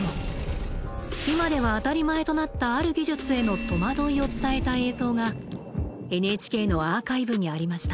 今では当たり前となった「ある技術」へのとまどいを伝えた映像がＮＨＫのアーカイブにありました。